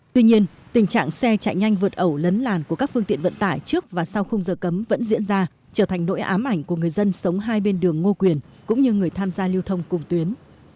tuy nhiên tình trạng xe chạy nhanh vượt ẩu lấn làn của các phương tiện vận tải trước và sau không giờ cấm vẫn diễn ra trở thành nỗi ám ảnh của người dân sống hai bên đường ngô quyền cũng như người tham gia lưu thông cùng tuyến